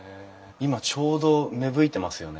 今ちょうど芽吹いてますよね。